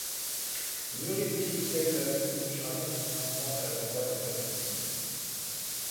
Nuri Bilge Ceylan y raconte son enfance à la campagne en Turquie.